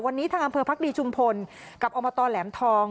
วันนี้ทางอำเภอพักดีชุมพลกับอบตแหลมทอง